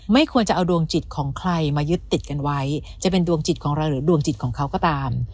ไม่ควรจะเอาดวงจิตของใครมายึดติดกันไว้จะเป็นดวงจิตของเราหรือดวงจิตของเขาก็ตาม